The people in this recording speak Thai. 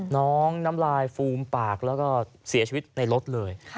น้ำลายฟูมปากแล้วก็เสียชีวิตในรถเลย